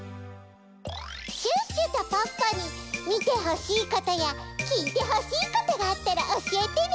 シュッシュとポッポにみてほしいことやきいてほしいことがあったらおしえてね！